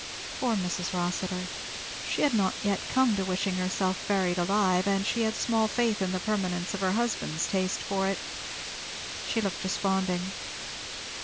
Poor Mrs. Rossitur. She had not yet come to wishing herself buried alive, and she had small faith in the permanence of her husband's taste for it. She looked desponding.